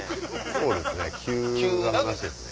そうですね